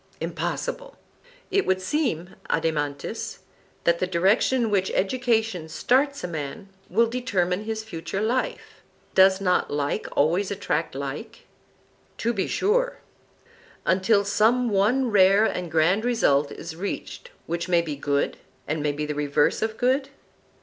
Impossible. It would seem, Adeimantus, that the direction in which education starts a man, will determine his future life. Does not like always attract like? To be sure. Until some one rare and grand result is reached which may be good, and may be the reverse of good?